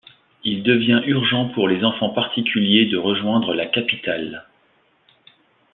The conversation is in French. Il devient urgent pour les enfants particuliers de rejoindre la capitale.